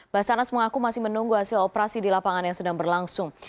basarnas mengaku masih menunggu hasil operasi di lapangan yang sedang berlangsung